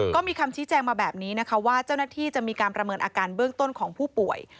ก็มีคำชี้แจงมาแบบนี้นะคะว่าเจ้าหน้าที่จะมีการประเมินอาการเบื้องต้นของผู้ป่วย